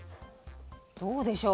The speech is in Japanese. どうでしょう？